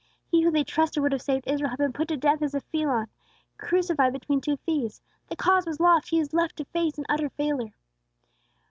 He who they trusted would have saved Israel had been put to death as a felon, crucified between two thieves! The cause was lost; he was left to face an utter failure.